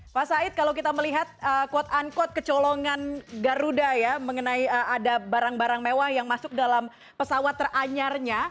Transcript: pak said kalau kita melihat quote unquote kecolongan garuda ya mengenai ada barang barang mewah yang masuk dalam pesawat teranyarnya